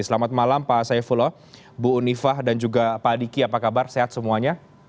selamat malam pak saifullah bu unifah dan juga pak adiki apa kabar sehat semuanya